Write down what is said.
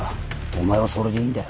お前はそれでいいんだよ。